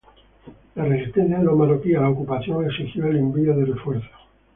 La resistencia de los marroquíes a la ocupación exigió el envío de refuerzos.